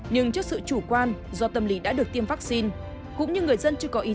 nhưng trước sự chủ quan do tâm lý đã được tiêm vaccine